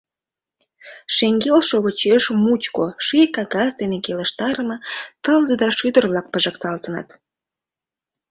Шеҥгел шовычеш, мучко, ший кагаз дене келыштарыме тылзе да шӱдыр-влак пижыкталтыныт.